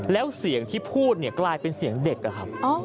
แล้วเสียงที่พูดเนี่ยกลายเป็นเสียงเด็กอะครับ